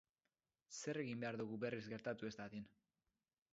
Zer egin behar dugu berriz gertatu ez dadin.